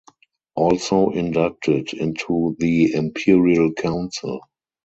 Also inducted into the Imperial Council.